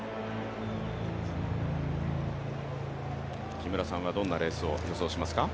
木村さんはどんなレースを予想しますか？